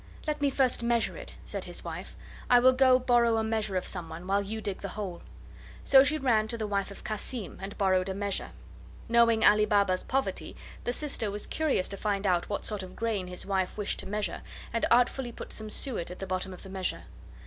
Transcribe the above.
"Let me first measure it," said his wife. "I will go borrow a measure of someone, while you dig the hole." So she ran to the wife of Cassim and borrowed a measure. Knowing Ali Baba's poverty, the sister was curious to find out what sort of grain his wife wished to measure, and artfully put some suet at the bottom of the measure.